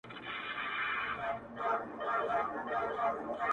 په قحط کالۍ کي یې د سرو زرو پېزوان کړی دی.